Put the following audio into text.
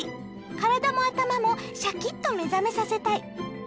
体も頭もシャキッと目覚めさせたい。